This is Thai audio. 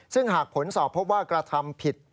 ซึ่งหากผลสอบพบว่ากระทำผิด